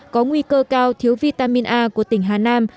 có nguy cơ cao thiếu vitamin a của tỉnh hà nam